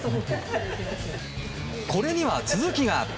これには続きが。